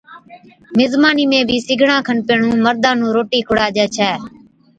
مزمانِي ۾ بِي سِگڙان کن پيھڻُون مردان نُون روٽِي کُڙاجَي ڇَي